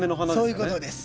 そういうことです。